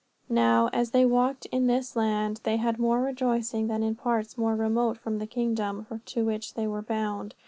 6. Now, as they walked in this land they had more rejoicing than in parts more remote from the kingdom to which they were bound.